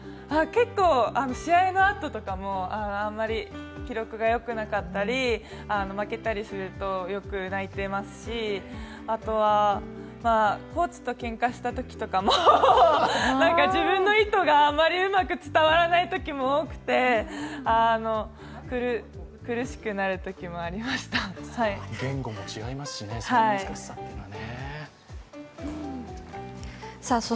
結構、試合の後とかも、あまり記録がよくなかったり負けたりすると、よく泣いてますし、あとはコーチとけんかしたときとかも自分の意図があまりうまく伝わらないときも多くて、言語も違いますしね、そういう難しさも。